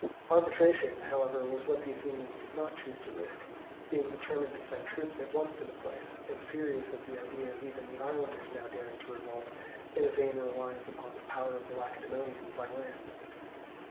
Arbitration, however, was what the Athenians did not choose to risk; being determined to send troops at once to the place, and furious at the idea of even the islanders now daring to revolt, in a vain reliance upon the power of the Lacedaemonians by land.